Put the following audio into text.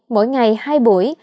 mỗi ngày hai buổi